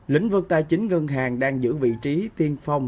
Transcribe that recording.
lĩnh vực tài chính ngân hàng đang giữ vị trí tiên phong